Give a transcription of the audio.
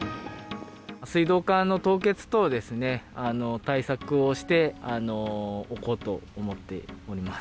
水道管の凍結等ですね、対策をしておこうと思っております。